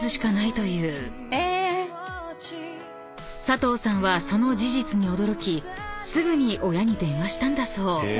［佐藤さんはその事実に驚きすぐに親に電話したんだそう］